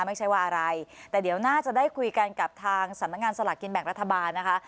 ไม่ใช่ว่าอะไรแต่เดี๋ยวน่าจะได้คุยกันกับทางสำนักงานสลากกินแบ่งรัฐบาลนะคะ